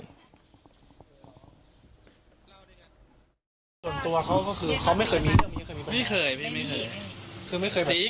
ส่วนตัวเขาไม่เคยมีแบบนี้